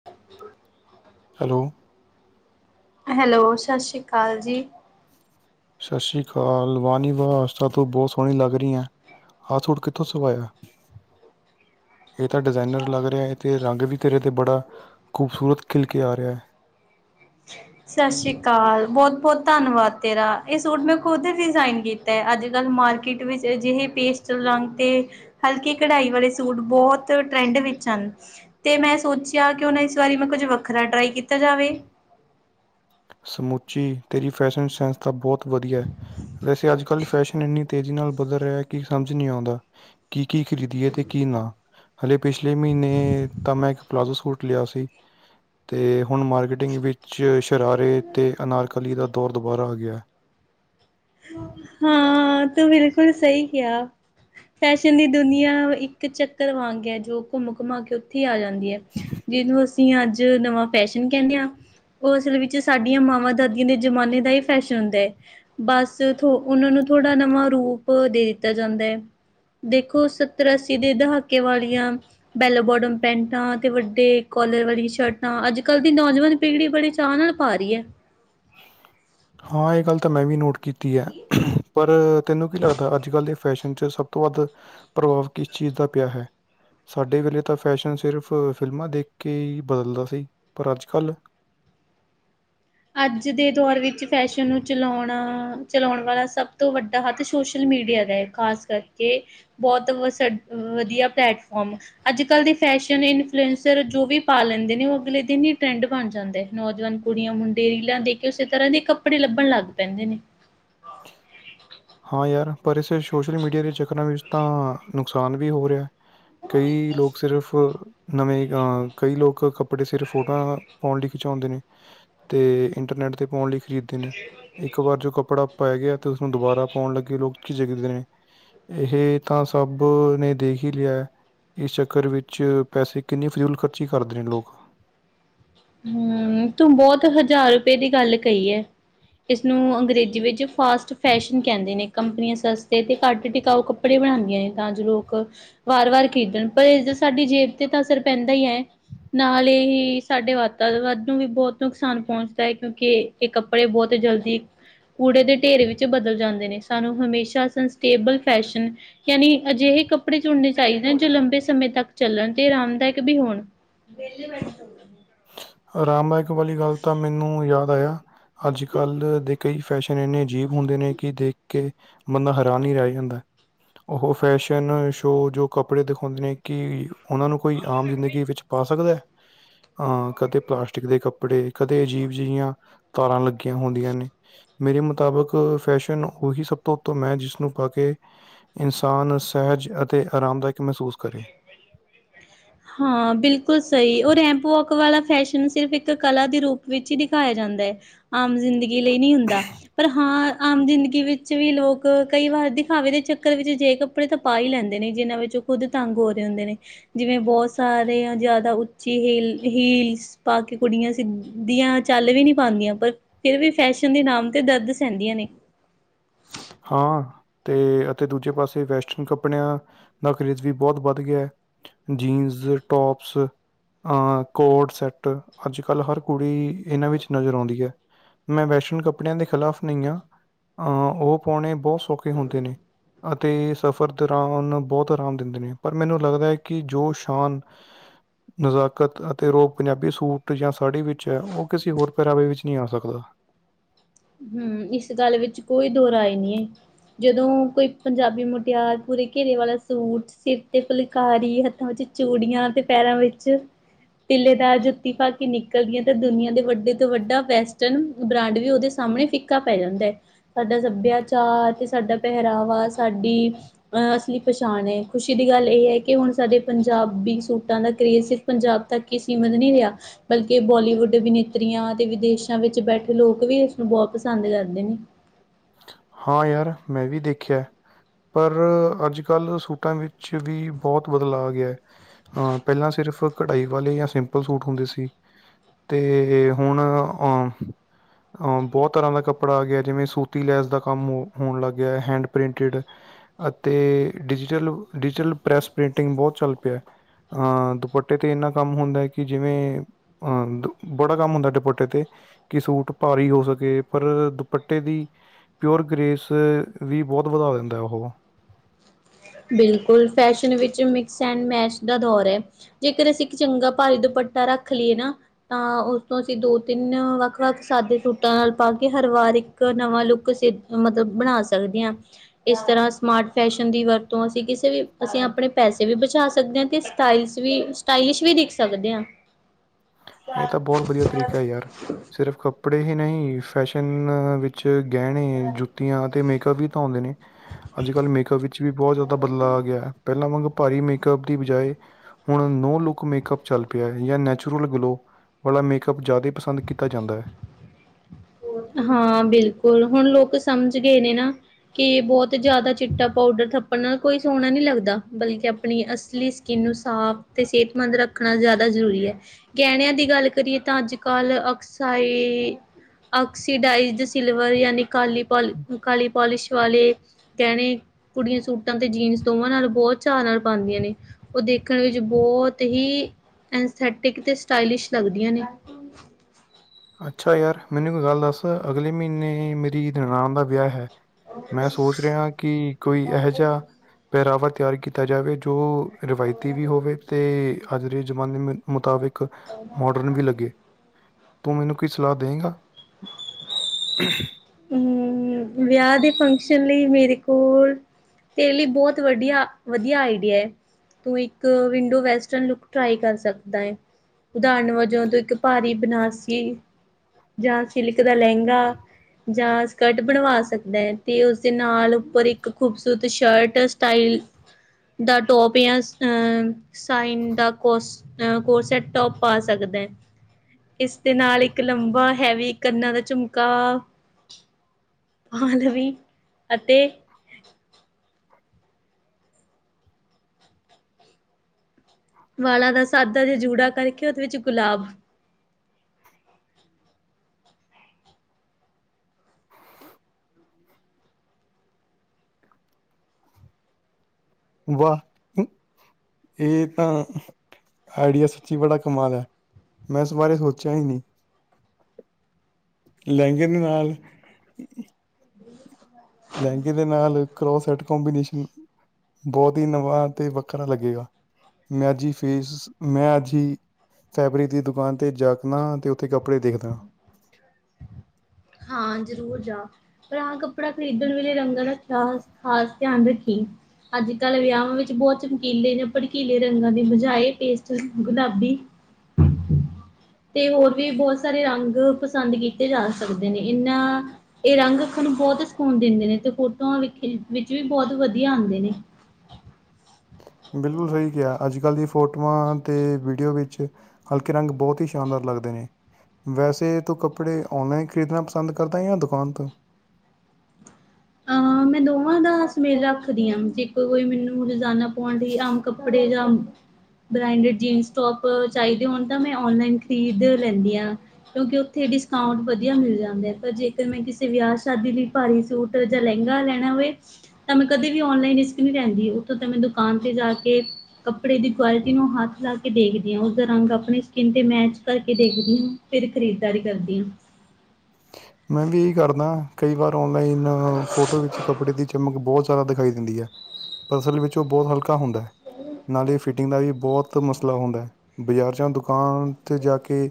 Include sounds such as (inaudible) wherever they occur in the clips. (inaudible) Hello. Hello, ਸਤਿ ਸ਼੍ਰੀ ਅਕਾਲ ਜੀ। ਸਤਿ ਸ਼੍ਰੀ ਅਕਾਲ, ਵਾਨੀ ਵਾ ਅੱਜ ਤਾਂ ਤੂ ਬਹੁਤ ਸੋਹਣੀ ਲੱਗ ਰਹੀ ਆ। ਆ ਸੂਟ ਕਿੱਥੋ ਸਵਾਇਆ? ਇਹ ਤੇ ਡਿਜ਼ਾਇਨਰ ਲੱਗ ਰਿਹਾ ਹੈ ਐ ਤੇ ਰੰਗ ਵੀ ਤੇਰੇ ਤੇ ਬੜਾ ਖ਼ੂਬਸੂਰਤ ਖਿਲ ਕੇ ਆ ਰਿਹਾ। ਸਤਿ ਸ਼੍ਰੀ ਅਕਾਲ ਬਹੁਤ-ਬਹੁਤ ਧੰਨਵਾਦ ਤੇਰਾ ਇਹ ਸੂਟ ਮੈਂ ਖੁਦ ਡਿਜ਼ਾਇਨ ਕੀਤਾ ਤਾ ਅੱਜ ਕੱਲ੍ਹ ਮਾਰਕੀਟ ਵਿੱਚ ਅਜਿਹੇ ਪੇਸਟਲ ਰੰਗ ਤੇ ਹਲਕੀ ਕਢਾਈ ਵਾਲੇ ਸੂਟ ਬੋਹਤ ਟਰੈਂਡ ਵਿੱਚ ਹਨ। ਤੇ ਮੈਂ ਸੋਚਿਆ ਕਿਉਂ ਨਾ ਇਸ ਵਾਰੀ, ਮੈਂ ਕੁਝ ਵੱਖਰਾ ਟਰਾਈ ਕੀਤਾ ਜਾਵੇ। ਸਮੁੱਚੀ ਤੇਰੀ ਫੈਸ਼ਨ ਸੈਂਸ ਤਾ ਬਹੁਤ ਵਧੀਆ। ਵੈਸੇ ਅੱਜ-ਕੱਲ੍ਹ ਫੈਸ਼ਨ ਏਨੀ ਤੇਜ਼ੀ ਨਾਲ ਬਦਲ ਰਿਆ ਕਿ ਸਮਝ ਨੀ ਆਉਦਾ। ਕੀ, ਕੀ ਖਰੀਦੀਏ, ਤੇ ਕੀ ਨਾ ਹਲੇੇ ਪਿਛਲੇ ਮਹੀਨੇ ਤਾ ਮੈਂ ਇੱਕ ਪਲਾਜ਼ੋ ਸੂਟ ਲਿਆ ਸੀ। ਤੇ ਹੁਣ ਮਾਰਕੀਟਿੰਗ ਵਿੱਚ ਸ਼ਰਾਰੇ, ਤੇ ਅਨਾਰਕਲੀ ਦਾ ਦੌਰ ਦੁਬਾਰਾ ਆ ਗਿਆ। ਹਾਂ, ਤੂੰ ਬਿਲਕੁਲ ਸਹੀ ਕਿਆ। ਫੈਸ਼ਨ ਦੀ ਦੁਨੀਆਂ ਇੱਕ ਚੱਕਰ ਵਾਂਗ ਐ, ਜੋ ਘੁੰਮ ਘੁਮਾ ਕੇ ਓੱਥੇ ਈ ਆ ਜਾਂ ਜਿਹਨੂੰ ਅਸੀਂ ਅੱਜ ਨਵਾ ਫੈਸ਼ਨ ਕਿਹਨੇ ਆ ਓ ਅਸਲ ਵਿੱਚ ਸਾਡੀਆਂ ਮਾਵਾਂ, ਦਾਦੀਆਂ ਦੇ ਜ਼ਮਾਨੇ ਦਾ ਈ ਫੈਸ਼ਨ ਹੁੰਦੈ, ਬੱਸ ਥੋ ਉਨਾਂ ਨੂੰ ਥੋੜਾ ਨਵਾ ਰੂਪ ਦੇ ਦਿੱਤਾ ਜਾਂਦਾ। ਦੇਖੋ, ਸੱਤਰ-ਅੱਸੀ ਦੇ ਦਹਾਕੇ ਵਾਲੀਆਂ ਬੈਲ ਬੋਟਮ ਪੈਂਟਾਂ, ਤੇ ਵੱਡੇ ਕੋਲਰ ਵਾਲੀ ਸ਼ਰਟਾਂ, ਅੱਜ-ਕੱਲ੍ਹ ਦੀ ਨੌਜਵਾਨ ਪੀੜੀ ਬੜੇ ਚਾ ਨਾਲ ਪਾ ਰੀਆ। ਹਾਂ, ਇਹ ਗੱਲ ਤਾ ਮੈਂ ਵੀ ਨੋਟ ਕੀਤੀ ਐ, ਪਰ ਤੈਨੂੰ ਕੀ ਲੱਗਦਾ ਅੱਜ-ਕੱਲ੍ਹ ਦੇ ਫੈਸ਼ਨ ਚ ਸਭ ਤੋਂ ਵੱਧ ਪ੍ਰਭਾਵ ਕਿਸ ਚੀਜ਼ ਦਾ ਪਿਆ ਹੈ? ਸਾਡੇ ਵੇਲੇ ਤਾ ਫੈਸ਼ਨ ਸਿਰਫ ਫਿਲਮਾ ਦੇਖ ਕੇ ਈ ਬਦਲਦਾ ਸੀ, ਪਰ ਅੱਜ-ਕੱਲ੍ਹ ਅੱਜ ਦੇ ਦੌਰ ਵਿੱਚ ਫੈਸ਼ਨ ਨੂੰ ਚਲੋਣਾ, ਚਲੋਣ ਵਾਲਾ ਸਭ ਤੋ ਵੱਡਾ ਹੱਥ ਸੋਸ਼ਲ ਮੀਡੀਆ ਦਾ ਏ। ਖ਼ਾਸ ਕਰਕੇ, ਬਹੁਤ ਵ ਸਾਡ ਵਧੀਆ ਪਲੈਟਫੋਮ ਅੱਜ-ਕੱਲ੍ਹ ਦੇ ਫੈਸ਼ਨ ਇਨਫਲੂਐਂਸਰ ਜੋ ਵੀ ਪਾ ਲੈਂਦੇ ਨੇ, ਉਹ ਅਗਲੇ ਦਿਨ ਈ ਟਰੈਂਡ ਬੰਨ ਜਾਂਦੈ, ਨੌਜਵਾਨ ਕੁੜੀਆਂ, ਮੁੰਡੇ ਰੀਲਾਂ ਦੇਖਕੇ ਉਸੇ ਤਰਾ ਦੇ ਕੱਪੜੇ ਲੱਭਣ ਲੱਗ ਪੈਂਦੇ ਨੇ। ਹਾਂ, ਯਾਰ ਪਰ ਇਸੇ ਸ਼ੋਸ਼ਲ ਮੀਡੀਆ ਦੇ ਚੱਕਰਾਂ ਵਿੱਚ ਤਾਂ ਨੁਕਸਾਨ ਵੀ ਹੋ ਰਿਆ। ਕਈ ਲੋਕ ਸਿਰਫ ਨਵੇਂ ਅ, ਕਈ ਲੋਕ ਕੱਪ ਕਪੱੜੇ ਸਿਰਫ਼ ਫੋਟੋਆ ਪੌਣ ਲਈ ਖਿਚੋਂਦੇ ਨੇ, ਤੇ ਇੰਟਰਨੈਟ ਤੇ ਪਾਉਣ ਲਈ ਖਰੀਦ ਦੇ ਨੇ ਇੱਕ ਵਾਰ ਜੋ ਕੱਪੜਾ ਪੈ ਗਿਆ ਤੇ ਉਸਨੂੰ ਦੁਬਾਰਾ ਪੋਨ ਲੱਗੇ ਲੋਕ ਖਿਝਦਦੇ ਨੇ। ਇਹੇ ਤਾ ਸਭ ਨੇ ਦੇਖ ਹੀ ਲਿਆ। ਇਸ ਚੱਕਰ ਵਿੱਚ, ਪੈਸੇ ਕਿੰਨੀ ਫਜ਼ੂਲ ਖਰਚੀ ਕਰਦੇ ਨੇ ਲੋਕ ਹੂੰ, ਤੂੰ ਬਹੁਤ ਹਜ਼ਾਰ ਰੁਪਏ ਦੀ ਗੱਲ ਕਈ ਏ। ਇਸਨੂੰ ਅੰਗਰੇਜ਼ੀ ਵਿੱਚ ਫਾਸਟ ਫੈਸ਼ਨ ਕਹਿੰਦੇ ਨੇ। ਕੰਪਨੀਆਂ ਸਸਤੇ ਅਤੇ ਘੱਟ ਟਿਕਾਊ ਕੱਪੜੇ ਬਣਾਉਂਦੀਆਂ ਨੇ ਤਾਂ ਜੋ ਲੋਕ, ਵਾਰ ਵਾਰ ਖਰੀਦਣ ਪਰ ਸਾਡੀ ਜੇਬ ਤੇ ਤਾਂ ਅਸਰ ਪੈਂਦਾ ਹੀ ਹੈ। ਨਾਲ ਇਹ ਸਾਡੇ ਵਾ (unintelligible) ਨੂੰ ਵੀ ਬਹੁਤ ਨੁਕਸਾਨ ਪਹੁੰਚਦਾ ਹੈ ਕਿਉਂਕਿ ਇਹ ਕੱਪੜੇ ਬਹੁਤ ਜਲਦੀ ਕੂੜੇ ਦੇ ਢੇਰ ਵਿੱਚ ਬਦਲ ਜਾਂਦੇ ਨੇ ਸਾਨੂੰ ਹਮੇਸ਼ਾ ਸੰਸਟੇਬਲ ਫੈਸ਼ਨ ਯਾਨੀ ਅਜਿਹੇ ਕੱਪੜੇ ਚੁਣਨੇ ਚਾਹੀਦੇ ਨੇ ਜੋ ਲੰਬੇ ਸਮੇਂ ਤੱਕ ਚੱਲਣ ਤੇ ਆਰਾਮਦਾਇਕ ਵੀ ਹੋਣ। (inaudible) ਆਰਾਮਦਾਇਕ ਵਾਲੀ ਗੱਲ ਤਾਂ ਮੈਨੂੰ ਯਾਦ ਆਇਆ ਅੱਜ, ਕੱਲ੍ਹ ਦੇਖ ਕਈ ਫੈਸ਼ਨ ਇੰਨੇ ਅਜੀਬ ਹੁੰਦੇ ਨੇ ਕਿ ਦੇਖ ਕੇ ਬੰਦਾ ਹੈਰਾਨ ਹੀ ਰਹਿ ਜਾਂਦਾ। ਉਹ ਫੈਸ਼ਨ ਸ਼ੋਅ ਜੋ ਕੱਪੜੇ ਦਿਖਾਉਂਦੇ ਨੇ ਕਿ ਉਹਨਾਂ ਨੂੰ ਕੋਈ ਆਮ ਜ਼ਿੰਦਗੀ ਵਿੱਚ ਪਾ ਸਕਦਾ? ਅਹ ਕਦੇ ਪਲਾਸਟਿਕ ਦੇ ਕੱਪੜੇ ਕਦੇ ਅਜੀਬ ਜਿਹੀਆਂ ਤਾਰਾਂ ਲੱਗੀਆਂ ਹੁੰਦੀਆਂ ਨੇ। ਮੇਰੇ ਮੁਤਾਬਕ ਫੈਸ਼ਨ ਉਹੀ ਸਭ ਤੋਂ ਉੱਤਮ ਮੈ ਜਿਸਨੂੰ ਪਾ ਕੇ ਇਨਸਾਨ ਸਹਿਜ ਅਤੇ ਆਰਾਮਦਾਇਕ ਮਹਿਸੂਸ ਕਰੇ। ਹਾਂ ਬਿਲਕੁਲ ਸਹੀ ਉਹ ਰੈਂਪ ਵੋਕ ਵਾਲਾ ਫੈਸ਼ਨ ਸਿਰਫ ਇੱਕ ਕਲਾ ਦੇ ਰੂਪ ਵਿੱਚ ਹੀ ਦਿਖਾਇਆ ਜਾਂਦਾ ਹੈ। ਆਮ ਜ਼ਿੰਦਗੀ ਲਈ ਨਹੀਂ ਹੁੰਦਾ ਪਰ ਹਾਂ ਆਮ ਜ਼ਿੰਦਗੀ ਵਿੱਚ ਵੀ ਲੋਕ ਕਈ ਵਾਰ ਦਿਖਾਵੇ ਦੇ ਚੱਕਰ ਵਿੱਚ ਜੇ ਕੱਪੜੇ ਤਾ ਪਾ ਈ ਲੈਂਦੇ ਨੇ, ਜਿਨਾਂ ਵਿੱਚੋ ਖੁਦ ਤੰਗ ਹੋ ਰੇ ਹੁੰਦੇ ਨੇ, ਜਿਵੇਂ ਬੋਤ ਸਾਰੇਆ ਜਾਦਾ ਉੱਚੀ ਹੀਲ, ਹੀਲਸ ਪਾਕੇ ਕੁੜੀਆਂ ਸਿੱਧੀਆਂ ਚੱਲ ਵੀ ਨੀ ਪਾਂਦੀਆਂ, ਪਰ ਫੇਰ ਵੀ ਫੈਸ਼ਨ ਦੇ ਨਾਮ ਤੇ ਦਰਦ ਸੈਂਦੀਆਂ ਨੇ। ਹਾਂ, ਤੇ ਅਤੇ ਦੂਜੇ ਪਾਸੇ ਵੈਸਟਰਨ ਕੱਪੜਿਆਂ ਦਾ ਖਰੀਦ ਵੀ ਬਹੁਤ ਵੱਧ ਗਿਆ ਹੈ ਜੀਨਸ ਟੋਪਸ ਅ ਕੋਡ ਸੈੱਟ ਅੱਜ ਕੱਲ੍ਹ ਹਰ ਕੁੜੀ ਇਹਨਾਂ ਵਿੱਚ ਇ ਨਜ਼ਰ ਆਉਂਦੀ ਹੈ। ਮੈਂ ਵੈਸਟਰਨ ਕੱਪੜਿਆਂ ਦੇ ਖਿਲਾਫ਼ ਨਹੀਂ ਹਾਂ ਅਹ ਉਹ ਪਾਉਣੇ ਬਹੁਤ ਸੌਖੇ ਹੁੰਦੇ ਨੇ ਅਤੇ ਸਫ਼ਰ ਦੌਰਾਨ ਬਹੁਤ ਆਰਾਮ ਦਿੰਦੇ ਨੇ ਪਰ ਮੈਨੂੰ ਲੱਗਦਾ ਹੈ ਕਿ ਜੋ ਸ਼ਾਨ ਨਜ਼ਾਕਤ ਅਤੇ ਰੋਬ ਪੰਜਾਬੀ ਸੂਟ ਜਾਂ ਸਾੜੀ ਵਿੱਚ ਹੈ ਉਹ ਕਿਸੇ ਹੋਰ ਪਹਿਰਾਵੇ ਵਿੱਚ ਨਹੀਂ ਆ ਸਕਦਾ। ਹੂੰ ਇਸ ਗੱਲ ਵਿੱਚ ਕੋਈ ਦੋ ਰਾਏ ਨਹੀਂ ਹੈ। ਜਦੋਂ ਕੋਈ ਪੰਜਾਬੀ ਮੁਟਿਆਰ ਪੂਰੇ ਘੇਰੇ ਵਾਲਾ ਸੂਟ ਸਿਰ ਤੇ ਫੁਲਕਾਰੀ ਹੱਥਾਂ ਵਿੱਚ ਚੂੜੀਆਂ ਤੇ ਪੈਰਾਂ ਵਿੱਚ ਟਿੱਲੇਦਾਰ ਜੁੱਤੀ ਪਾ ਕੇ ਨਿਕਲਦੀ ਤੇ ਦੁਨੀਆਂ ਦੇ ਵੱਡੇ ਤੋਂ ਵੱਡਾ ਵੈਸਟਰਨ ਬ੍ਰਾਂਡ ਵੀ ਉਹਦੇ ਸਾਹਮਣੇ ਫਿੱਕਾ ਪੈ ਜਾਂਦਾ ਹੈ ਸਾਡਾ ਸੱਭਿਆਚਾਰ ਤੇ ਸਾਡਾ ਪਹਿਰਾਵਾ ਸਾਡੀ ਅਹ ਅਸਲੀ ਪਛਾਣ ਹੈ ਖੁਸ਼ੀ ਦੀ ਗੱਲ ਇਹ ਹੈ ਕਿ ਹੁਣ ਸਾਡੇ ਪੰਜਾਬੀ ਸੂਟਾਂ ਦਾ ਕਰੇਜ਼ ਪੰਜਾਬ ਤੱਕ ਹੀ ਸੀਮਿਤ ਨਹੀਂ ਰਿਹਾ ਬਲਕਿ ਬਾਲੀਵੁੱਡ ਅਭਿਨੇਤਰੀਆਂ ਤੇ ਵਿਦੇਸ਼ਾਂ ਵਿੱਚ ਬੈਠੇ ਲੋਕ ਵੀ ਬਹੁਤ ਪਸੰਦ ਕਰਦੇ ਨੇ। ਹਾਂ ਯਾਰ ਮੈਂ ਵੀ ਦੇਖਿਆ। ਪਰ ਅੱਜ ਕੱਲ੍ਹ ਸੂਟਾਂ ਵਿੱਚ ਵੀ ਬਹੁਤ ਬਦਲਾਅ ਆ ਗਿਆ ਹੈ। ਅ ਪਹਿਲਾਂ ਸਿਰਫ ਕਢਾਈ ਵਾਲੇ ਜਾਂ ਸਿੰਪਲ ਸੂਟ ਹੁੰਦੇ ਸੀ। ਤੇ ਹੁਣ ਅਹ ਅ ਬਹੁਤ ਤਰ੍ਹਾਂ ਦਾ ਕੱਪੜਾ ਆ ਗਿਆ ਜਿਵੇਂ ਸੂਤੀ ਲੈਸ ਦਾ ਕੰਮ ਹੋਣ ਲੱਗ ਗਿਆ ਹੈਂਡ ਪ੍ਰਿੰਟਡ ਅਤੇ ਡਿਜੀਟਲ, ਡਿਜੀਟਲ ਪ੍ਰੈਸ ਪ੍ਰਿੰਟਿੰਗ ਬਹੁਤ ਚੱਲ ਪਿਆ। ਅਹ ਦੁਪੱਟੇ ਤੇ ਇੰਨਾ ਕੰਮ ਹੁੰਦਾ ਹੈ ਕਿ ਜਿਵੇਂ ਅਹ ਬੜਾ ਕੰਮ ਹੁੰਦਾ ਦੁਪੱਟੇ ਤੇ। ਕਿ ਸੂਟ ਭਾਰੀ ਹੋ ਸਕੇ ਪਰ ਦੁਪੱਟੇ ਦੀ ਪਿਓਰ ਗ੍ਰੇਸ ਵੀ ਬਹੁਤ ਵਧਾ ਦਿੰਦਾ ਉਹ ਬਿਲਕੁਲ ਫੈਸ਼ਨ ਵਿੱਚ ਮਿਕਸ ਐਂਡ ਮੈਸ਼ ਦਾ ਦੌਰ ਹੈ। ਜੇਕਰ ਅਸੀਂ ਇੱਕ ਚੰਗਾ ਭਾਰੀ ਦੁਪੱਟਾ ਰੱਖ ਲਈਏ ਨਾ, ਤਾਂ ਉਸ ਤੋਂ ਅਸੀਂ ਦੋ ਤਿੰਨ ਵੱਖ-ਵੱਖ ਸਾਦੇ ਸੂਟਾਂ ਨਾਲ ਪਾ ਕੇ ਹਰ ਵਾਰ ਇੱ ਏਕ ਨਵਾਂ ਲੁੱਕ ਅਸੀ ਮਤਲਬ ਬਣਾ ਸਕਦੇ ਆਂ ਇਸ ਤਰ੍ਹਾਂ ਸਮਾਰਟ ਫੈਸ਼ਨ ਦੀ ਵਰ ਤੋਂ ਅਸੀਂ ਕਿਸੇ ਵੀ ਅਸੀਂ ਆਪਣੇ ਪੈਸੇ ਵੀ ਬਚਾ ਸਕਦੇ ਆਂ ਤੇ ਸਟਾਈਲਸ ਵੀ ਸਟਾਈਲਿਸ਼ ਵੀ ਦਿਖ ਸਕਦੇ ਆ। (inaudible) ਏ ਤਾਂ ਬੋਤ ਵਧੀਆ ਤਰੀਕਾ ਐ ਯਾਰ ਸਿਰਫ ਕੱਪੜੇ ਹੀ ਨਹੀਂ ਫੈਸ਼ਨ ਵਿੱ ਚ ਗੈਣੇ, ਜੁੱਤੀਆਂ ਅਤੇ ਮੇਕਅੱਪ ਵੀ ਤਾਂ ਆਉਂਦੇ ਨੇ। ਅੱਜ ਕੱਲ੍ਹ ਮੇਕਅੱਪ ਵਿੱਚ ਵੀ ਬੋਤ ਜਿਆਦਾ ਬਦਲਾ ਆ ਗਿਆ। ਪੈਲਾਂ ਵਾਂਗ ਭਾਰੀ ਮੇਕਅੱਪ ਦੀ ਬਜਾਏ ਹੁਣ ਨੋ ਲੁੱਕ ਮੇਕਅੱਪ ਚੱਲ ਪਿਆ ਜਾਂ ਨੈਚੁਰਲ ਗਲੋ। ਵਾਲਾ ਮੇਕਅੱਪ ਜ਼ਿਆਦਾ ਪਸੰਦ ਕੀਤਾ ਜਾਂਦਾ। ਹਾਂ, ਬਿਲਕੁੱਲ ਹੁਣ ਲੋਕ ਸਮਝ ਗਏ ਨੇ ਨਾ। ਕੀ ਬੋਤ ਜ਼ਿਆਦਾ ਚਿੱਟਾ ਪਾਊਡਰ ਥੱਪਣ ਨਾਲ ਕੋਈ ਸੋਣਾ ਨੀ ਲੱਗਦਾ ਬਲਕਿ ਆਪਣੀ ਅਸਲੀ ਸ ਕਿੰਨ ਨੂੰ ਸਾਫ਼ ਤੇ ਸਿਹਤਮੰਦ ਰੱਖਣਾ ਜ਼ਿਆਦਾ ਜ਼ਰੂਰੀ ਐ। ਗੈਣਿਆਂ ਦੀ ਗੱਲ ਕਰੀਏ ਤਾਂ ਅੱਜ-ਕੱਲ੍ਹ ਅਕਸਾਈ ਆਕਸੀਡਾਈ ਜਾ ਸਿਲਵਰ ਯਾਨੀ ਖਾਲੀ ਪੌਲਿਸ ਕਾਲੀ ਪੋਲਿਸ਼ ਵਾਲੇ ਗੈਣੇ ਕੁੜੀਆਂ ਸੂਟਾਂ ਤੇ ਜੀਨਸ ਦੋਵਾਂ ਨਾਲ ਬੋ ਚਾਅ ਨਾਲ ਪਾਂਦੀਆਂ ਨੇ। ਓ ਦੇਖਣ ਵਿੱਚ ਬੋਤ ਹੀ ਐਂਸਥੈਟਿਕ ਤੇ ਸਟਾਈਲਿਸ਼ ਲੱਗਦੀਆਂ ਨੇ। ਅੱਛਾ ਯਾਰ ਮੈਨੂੰ ਇਕ ਗੱਲ ਦੱਸ ਅਗਲੇ ਮੀਨੇ ਮੇਰੀ ਨਨਾਣ ਦਾ ਵਿਆਹ ਹੈ। ਮੈਂ ਸੋਚ ਰਿਹਾ ਕੀ ਕੋਈ ਐਹਾ ਜਾ ਪਹਿਰਾਵਾ ਤਿਆਰ ਕੀਤਾ ਜਾਵੇ ਜੋ ਰਵਾਇਤੀ ਵੀ ਹੋਵੇ ਤੇ ਅੱਜ ਦੇ ਜ਼ਮਾਨੇ ਮੁਤਾਬਿਕ ਮੋਡਰਨ ਵੀ ਲੱਗੇ। ਤੂੰ ਮੈਨੂੰ ਕੀ ਸਲਾਹ ਦੇ ਗਾ। ਹੂੰ, ਵਿਆਹ ਦੇ ਫੰਕਸ਼ਨ ਲਈ ਮੇਰੇ ਕੋਲ ਤੇਰੇ ਲਈ ਬਹੁਤ ਵਧੀਆ ਵਧੀਆ ਆਈਡੀਆ। ਤੂੰ ਇੱਕ ਵਿੰਡੋ ਵੈਸਟਰਨ ਲੁਕ ਟਰਾਈ ਕਰ ਸਕਦਾ ਐ। ਉਦਾਹਰਨ ਵਜੋਂ ਤੋਂ ਇੱਕ ਭਾਰੀ ਬਨਾਰਸੀ ਜਾਂ ਸਿਲਕ ਦਾ ਲਹਿੰਗਾ ਜਾਂ ਸਕਰਟ ਬਣਵਾ ਸਕਦੇ ਐ ਤੇ ਉਸਦੇ ਨਾਲ ਉੱਪਰ ਇੱਕ ਖੂਬਸੂਰਤ ਸ਼ਰਟ ਸਟਾਈਲ ਦਾ ਟੋਪ ਜਾ ਅ ਸਾਇਨ ਦਾ ਕੋਸ ਕੋਰਟ ਸੈੱਟ ਟੋਪ ਪਾ ਸਕਦਾ। ਇਸ ਦੇ ਨਾਲ ਇੱਕ ਲੰਬਾ ਹੈਵੀ ਕੰਨਾਂ ਦਾ ਝੁਮਕਾ ਪਾ ਲਵੀ ਤੇ ਵਾਲਾ ਦਾ ਸਾਦਾ ਜਾ ਜੂੜਾ ਕਰਕੇ ਓਦੇ ਵਿੱਚ ਗੁਲਾਬ ਵਾਹ ਏ ਤਾਂ ਆਈਡੀਆ ਸੱਚੀ ਬੜਾ ਕਮਾਲ ਐ ਮੈਂ ਇਸ ਬਾਰੇ ਸੋਚਿਆ ਹੀ ਨੀ। ਲਹਿੰਗੇ ਦੇ ਨਾਲ। ਲੈਂਗੇ ਦੇ ਨਾਲ ਕਰੋਸ ਸੈਟ ਕੋਂਬੀਨੇਸ਼ਨ ਬੋਤ ਈ ਨਵਾਂ ਤੇ ਵੱਖਰਾ ਲੱਗੇਗਾ। ਮੈਂ ਅੱਜ ਫੇਸ ਮੈਂ ਅੱਜ ਜੀ। ਫੈਬਰਿਕ ਦੀ ਦੁਕਾਨ ਤੇ ਜਾ ਕੇ ਨਾ ਫੇਰ ਤੇ ਓਥੇ ਕੱਪੜੇ ਦੇਖਦਾ। ਹਾਂ ਜ਼ਰੂਰ ਜਾ। ਪਰ ਆ ਕੱਪੜਾ ਖ਼ਰੀਦਣ ਵੇਲੇ ਰੰਗਾਂ ਦਾ ਖਾਸ ਖ਼ਾਸ ਧਿਆਨ ਰੱਖੀ। ਅੱਜ-ਕੱਲ੍ਹ ਵਿਆਵਾਂ ਵਿੱਚ ਬੋ ਚਮਕੀਲੇ ਜਾਂ ਭੜਕੀਲੇ ਰੰਗਾਂ ਦੀ ਬਜਾਏ ਪੇਸਟ ਗੁਲਾਬੀ (inaudible) ਤੇ ਹੋਰ ਵੀ ਬੋ ਸਾਰੇ ਰੰਗ ਪਸੰਦ ਕੀਤੇ ਜਾ ਸਕਦੇ ਨੇ ਏਨਾ ਏ ਰੰਗ ਆਪਾਂ ਨੂੰ ਬੋਤ ਸਕੂਨ ਦਿੰਦੇ ਨੇ ਤੇ ਫੋਟੋਆਂ ਵਿਖ ਵਿੱਚ ਵੀ ਬੋਤ ਵਧੀਆ ਆਂਦੇ ਨੇ। ਬਿਲਕੁੱਲ ਸਈ ਕਿਆ ਅੱਜ ਕੱਲ੍ਹ ਦੀ ਫੋਟੋਆਂ ਤੇ ਵੀਡੀਓ ਵਿੱਚ ਹਲਕੇ ਰੰਗ ਬੋਤ ਈ ਸ਼ਾਨਦਾਰ ਲੱਗਦੇ ਨੇ। ਵੈਸੇ ਤੂੰ ਕੱਪੜੇ ਔਨਲਾਈਨ ਖਰੀਦਣਾ ਪਸੰਦ ਕਰਦਾ ਜਾ ਦੁਕਾਨ ਤੋਂ? ਅ ਮੈਂ ਦੋਵਾਂ ਦਾ ਸੁਮੇਲ ਰੱਖਦੀ ਆ ਜੇ ਕੋ ਕੋਈ ਮੈਨੂੰ ਰੋਜ਼ਾਨਾ ਪੋਣ ਲਈ ਆਮ ਕੱਪੜੇ ਜਾਂ ਬਰੈਂਡਡ ਜੀਨਸ ਟੋਪ ਚਾਈਦੇ ਹੋਣ ਤਾਂ ਮੈਂ ਔਨਲਾਈਨ ਖਰੀਦ ਲੈਂਦੀ ਆ। ਕਿਉਂਕਿ ਉੱਥੇ ਡਿਸਕਾਊਂਟ ਵਧੀਆ ਮਿਲ ਜਾਂਦੇ ਪਰ ਜੇਕਰ ਮੈਂ ਕਿਸੇ ਵਿਆਹ ਸ਼ਾਦੀ ਲਈ ਭਾਰੀ ਸੂ ਟ ਜਾ ਲੈਂਗਾ ਲੈਣਾ ਹੋਵੇ ਤਾਂ ਮੈਂ ਕਦੇ ਵੀ ਔਨਲਾਈਨ ਰਿਸਕ ਨੀ ਲੈਂਦੀ ਉੱਥੋਂ ਤਾਂ ਮੈਂ ਦੁਕਾਨ ਤੇ ਜਾ ਕੇ ਕੱਪੜੇ ਦੀ ਕੁਆਲਿਟੀ ਨੂੰ ਹੱਥ ਲਾ ਕੇ ਦੇਖਦੀ ਆ ਉਸਦਾ ਰੰਗ ਆਪਣੇ ਸਕਿਨ ਤੇ ਮੈਚ ਕਰਕੇ ਦੇਖਦੀ ਆ ਫਿਰ ਖਰੀਦਦਾਰੀ ਕਰਦੀ ਆਂ। ਮੈਂ ਵੀ ਇਹੀ ਕਰਦਾ ਕਈ ਵਾਰ ਓਨਲਾਈਨ ਫੋਟੋ ਵਿੱਚ ਕੱਪੜੇ ਦੀ ਚਮਕ ਬਹੁਤ ਤਾਂ ਦਿਖਾਈ ਦਿੰਦੀ ਹੈ ਅਸਲ ਵਿੱਚ ਉਹ ਬਹੁਤ ਹਲਕਾ ਹੁੰਦਾ ਹੈ ਨਾਲੇ ਫਿਟ ਟਿੰਗ ਦਾ ਵੀ ਬਹੁਤ ਮਸਲਾ ਹੁੰਦਾ ਹੈ ਬਾਜ਼ਾਰ 'ਚ ਦੁਕਾਨ ਤੇ ਜਾ ਕੇ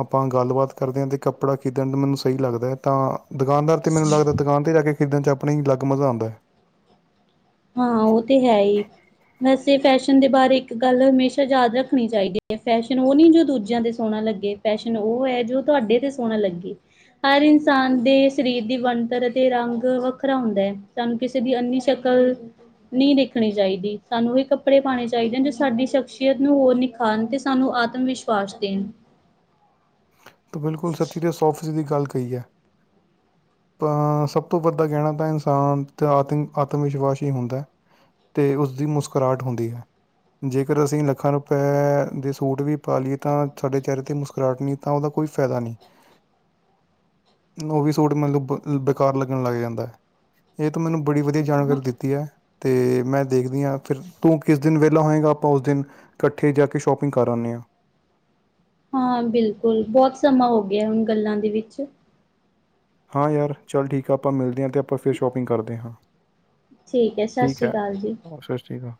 ਆਪਾਂ ਗੱਲਬਾਤ ਕਰਦੇ ਹਾਂ ਤੇ ਕੱਪੜਾ ਖਰੀਦਣ ਦਾ ਮੈਨੂੰ ਸਹੀ ਲਗਦਾ ਤਾ ਦੁਕਾਨਦਾਰ ਤੇ ਮੈਨੂੰ ਲੱਗਦਾ ਦੁਕਾਨ ਤੇ ਜਾ ਕੇ ਖਰੀਦਣ 'ਚ ਆਪਣੇ ਹੀ ਅਲੱਗ ਮਜ਼ਾ ਆਂਦਾ। ਹਾਂ ਉਹ ਤੇ ਹੈ ਹੀ ਵੈਸੇ ਫੈਸ਼ਨ ਦੇ ਬਾਰੇ ਇੱਕ ਗੱਲ ਹਮੇਸ਼ਾ ਯਾਦ ਰੱਖਣੀ ਚਾਹੀਦੀ ਹੈ ਫੈਸ਼ਨ ਉਹ ਨਈ ਜੋ ਦੂਜਿਆਂ ਦੇ ਸੋਹਣਾ ਲੱਗੇ। ਪੈਸ਼ਨ ਉਹ ਹੈ ਜੋ ਤੁਹਾਡੇ ਤੇ ਸੋਹਣਾ ਲੱਗੇ। ਹਰ ਇਨਸਾਨ ਦੇ ਸਰੀਰ ਦੀ ਬਣਤਰ ਅਤੇ ਰੰਗ ਵੱਖਰਾ ਹੁੰਦਾ ਹੈ ਤੁਹਾਨੂੰ ਕਿਸੇ ਦੀ ਇੰਨੀ ਸ਼ਕ ਲ ਨਹੀਂ ਦੇਖਣੀ ਚਾਹੀਦੀ ਸਾਨੂੰ ਹੀ ਕੱਪੜੇ ਪਾਉਣੇ ਚਾਹੀਦੇ ਜੋ ਸਾਡੀ ਸ਼ਖਸੀਅਤ ਨੂੰ ਹੋਰ ਨਿਖਾਰੇ ਖਾਣ ਤੇ ਸਾਨੂੰ ਆਤਮ ਵਿਸ਼ਵਾਸ ਦੇਣ ਤੂੰ ਬਿਲਕੁਲ ਸੱਚੀ ਸੌ ਫੀਸਦੀ ਗੱਲ ਕਹੀ ਹੈ। ਸਭ ਤੋਂ ਵੱਧਾ ਕਹਿਣਾ ਤਾਂ ਇਨਸਾਨ ਦਾ ਆਤਮ ਆਤਮ ਵਿਸ਼ਵਾਸ ਹੀ ਹੁੰਦਾ। ਤੇ ਉਸਦੀ ਮੁਸਕਰਾਹਟ ਹੁੰਦੀ ਹੈ। ਜੇਕਰ ਅਸੀਂ ਲੱਖਾਂ ਰੁਪਏ ਦੇ ਸੂਟ ਵੀ ਪਾ ਲਈਏ ਤਾਂ ਸਾਡੇ ਚਿਹਰੇ ਤੇ ਮੁਸਕਰਾਹਟ ਨਹੀਂ ਤਾਂ ਓਦਾ ਕੋਈ ਫੈਦਾ ਨੀ। ਓ ਵੀ ਸੂਟ ਮੰਨ ਲੋ ਬ ਬੇਕਾਰ ਲੱਗਣ ਲੱਗ ਜਾਂਦਾ। ਏ ਤੂੰ ਮੈਨੂੰ ਬੜੀ ਵਧੀਆ ਹਾਂ ਜਾਣਕਾਰੀ ਦਿੱਤੀ ਐ। ਤੇ ਮੈਂ ਦੇਖਦੀ ਆ ਫਿਰ ਤੂੰ ਕਿਸ ਦਿਨ ਵੇਲਾ ਹੋਏਗਾ ਆਪਾਂ ਉਸ ਦਿਨ ਕੱਠੇ ਜਾ ਕੇ ਸ਼ੋਪਿੰਗ ਕਰ ਆਉਂਦੇ ਆਂ ਹਾਂ ਬਿਲਕੁਲ ਬਹੁਤ ਸਮਾਂ ਹੋ ਗਿਆ ਹੁਣ ਗੱਲਾਂ ਦੇ ਵਿੱਚ ਹਾਂ ਯਾਰ ਚੱਲ ਠੀਕ ਆ ਆਪਾਂ ਮਿਲਦੇ ਹਾਂ ਅਤੇ ਆਪਾਂ ਫਿਰ ਸ਼ੋਪਿੰਗ ਕਰਦੇ ਹਾਂ। ਸਤਿ ਠੀਕ ਸ਼੍ਰੀ ਹੈ ਅਕਾਲ ਜੀ। ਹੋਰ ਸਤ ਸ਼੍ਰੀ ਅਕਾਲ।